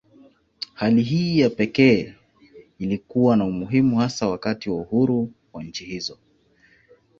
Hali hii ya pekee ilikuwa na umuhimu hasa wakati wa uhuru wa nchi hizo.